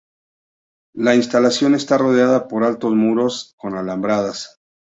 La instalación está rodeada por altos muros con alambradas.